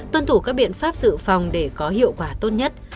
tuân thủ các biện pháp dự phòng để có hiệu quả tốt nhất